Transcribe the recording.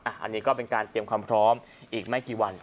อันนี้ก็เป็นการเตรียมความพร้อมอีกไม่กี่วัน